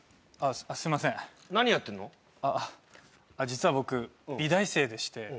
実は僕美大生でして。